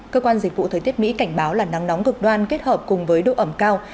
cơ quan dịch vụ thời tiết mỹ cảnh báo là nắng nóng cực đoan kết hợp cùng với độ ẩm cao